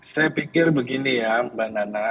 saya pikir begini ya mbak nana